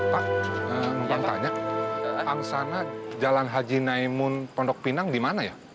pak mau tanya ang sana jalan haji naimun pondok pinang di mana ya